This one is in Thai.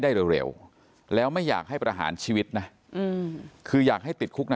เร็วแล้วไม่อยากให้ประหารชีวิตนะคืออยากให้ติดคุกนะ